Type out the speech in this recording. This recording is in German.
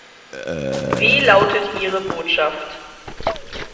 Wie lautet Ihre Botschaft?